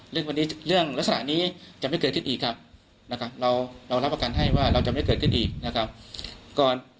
และสถานีจะไม่เกิดขึ้นอีกเรารับประกันให้ว่าจะไม่เกิดขึ้นอีก